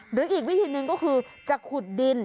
หรือยกวิธีนึงก็คือ